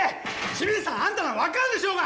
清水さんあんたなら分かるでしょうが！